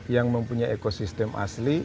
yang mempunyai ekosistem asli